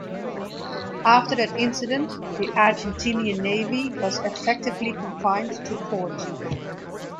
After that incident, the Argentinian Navy was effectively confined to port.